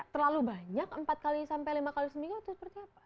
terlalu banyak empat kali sampai lima kali seminggu atau seperti apa